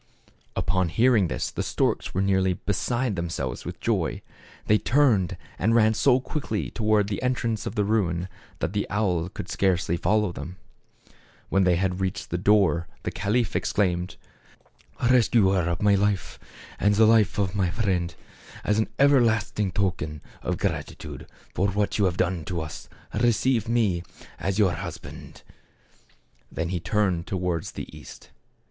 Upon hearing this the storks were nearly be side themselves with joy. They turned, and ran so quickly toward the entrance of the ruin, that the owl could scarcely follow them. When he had reached the door, the caliph ex claimed, " Rescuer of my life, and the life of my friend, as an everlasting token of gratitude for what you have done for us, receive me, as your husband." Then he turned towards the east.